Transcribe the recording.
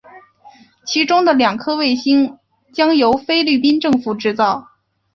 其中的两颗卫星将由菲律宾政府制造。